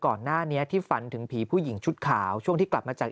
ก่อนหน้านี้ที่ฝันถึงผีผู้หญิงชุดขาวช่วงที่กลับมาจาก